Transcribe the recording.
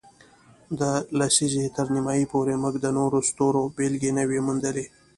د لسیزې تر نیمایي پورې، موږ د نورو ستورو بېلګې نه وې موندلې.